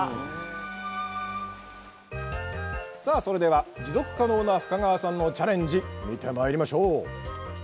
それでは持続可能な深川さんのチャレンジ見てまいりましょう！